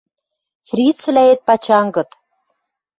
Фрицвлӓэт пачангыт